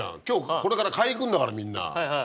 今日これから買い行くんだからみんな。